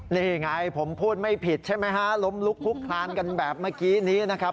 นี่ไงผมพูดไม่ผิดใช่ไหมฮะล้มลุกคุกคลานกันแบบเมื่อกี้นี้นะครับ